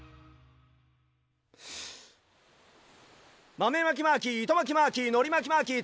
まめまきマーキーいとまきマーキーのりまきマーキー